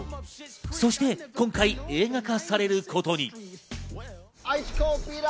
そして今回、映画化されることに。